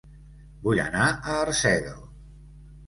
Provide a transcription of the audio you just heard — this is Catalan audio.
Vull anar a Arsèguel